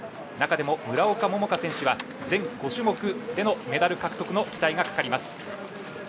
中でも村岡桃佳選手は全５種目でのメダル獲得の期待がかかります。